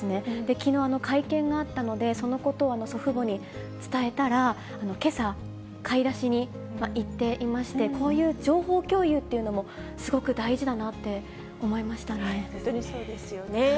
きのう、会見があったので、そのことを祖父母に伝えたら、けさ、買い出しに行っていまして、こういう情報共有というのも、本当にそうですよね。